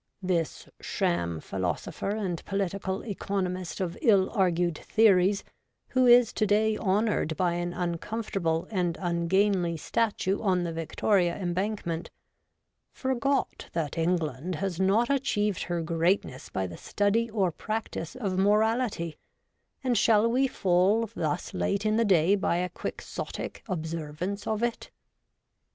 This sham philosopher and political economist of ill argued theories, who is to day honoured by an uncomfortable and ungainly statue on the Victoria Embankment, forgot that England has not achieved her greatness by the study or practice of morality : and shall we fall thus late in the day by a Quixotic observance of it